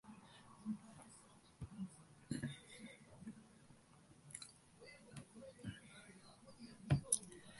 ஆனால், ராஜன் பாபுவை மட்டும் கைது செய்திட பீகார் அரசுக்கு துணிவு வரவில்லை.